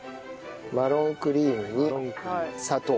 マロンクリームに砂糖。